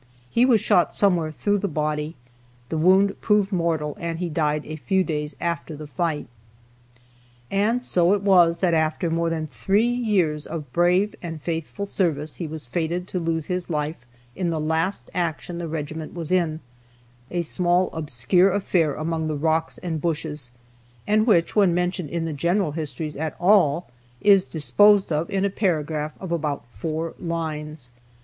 He was shot somewhere through the body. The wound proved mortal and he died a few days after the fight. And so it was, that after more than three years of brave and faithful service he was fated to lose his life in the last action the regiment was in a small, obscure affair among the rocks and bushes, and which, when mentioned in the general histories at all, is disposed of in a paragraph of about four lines.